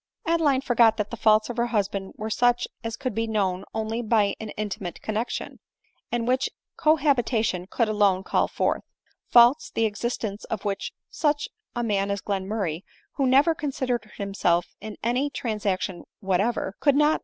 Adeline forgot that the faults of her husband were such as could be known only by an intimate connexion, and which cohabitation could alone call forth ; faults, the ex istence of which such a man as Glenmurray, who never considered himself in any transaction whatever, could not j * mm ADELINE MOWBRAY.